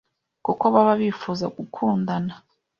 kuko baba bifuza gukundana